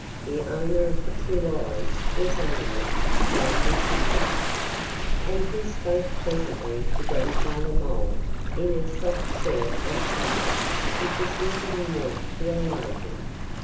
The owner of the two eyes was only Sandy Chipmunk. And he spoke pleasantly to Grandfather Mole, in a soft sort of chatter, because he didn't want to alarm him.